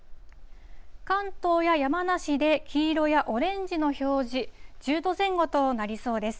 関東や山梨で黄色やオレンジの表示、１０度前後となりそうです。